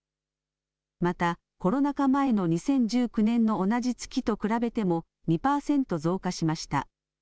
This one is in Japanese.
またコロナ禍前の２０１９年の同じ月と比べても２％増加しました。